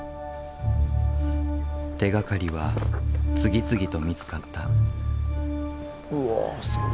手がかりは次々と見つかった。